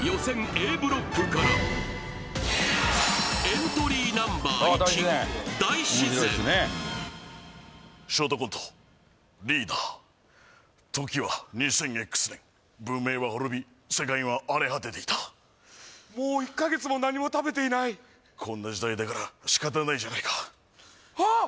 Ａブロックからショートコント「リーダー」時は２ＸＸＸ年文明は滅び世界は荒れ果てていたもう１カ月も何も食べていないこんな時代だから仕方ないじゃないかあっ